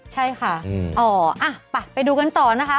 ใช่ค่ะไปดูกันต่อนะคะ